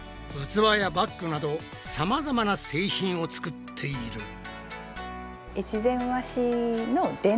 器やバッグなどさまざまな製品を作っている。